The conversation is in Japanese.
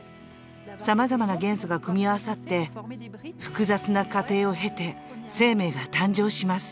さまざまな元素が組み合わさって複雑な過程を経て生命が誕生します。